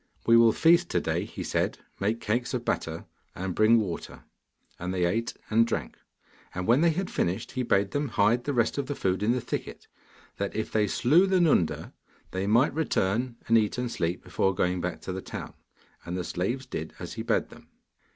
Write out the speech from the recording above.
'We will feast to day,' he said; 'make cakes of batter, and bring water,' and they ate and drank. And when they had finished he bade them hide the rest of the food in the thicket, that if they slew the Nunda they might return and eat and sleep before going back to the town. And the slaves did as he bade them.